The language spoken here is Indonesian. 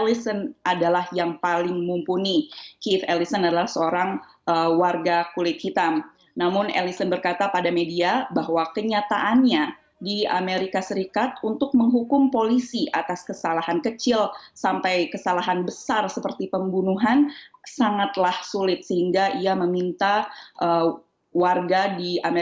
itu adalah video yang diambil di sosial media yang memberikan informasi bahwa masa tidak pernah terjadi